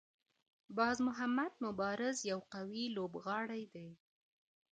باز محمد مبارز یو قوي لوبغاړی دی.